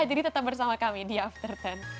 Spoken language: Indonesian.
jadi tetap bersama kami di after sepuluh